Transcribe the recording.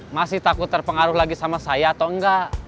masih takut terpengaruh lagi sama saya atau enggak